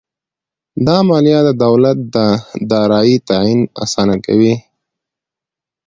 دا عملیه د دولت د دارایۍ تعین اسانه کوي.